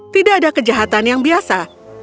tidak ada kejahatan yang biasa